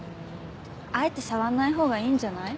あえて触んないほうがいいんじゃない？